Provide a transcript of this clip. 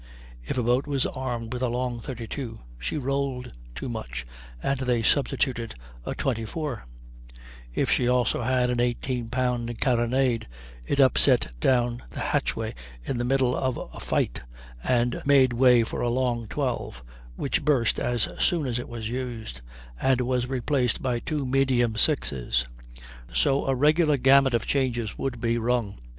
If a boat was armed with a long 32, she rolled too much, and they substituted a 24; if she also had an 18 pound carronade, it upset down the hatchway in the middle of a fight, and made way for a long 12, which burst as soon as it was used, and was replaced by two medium 6's. So a regular gamut of changes would be rung.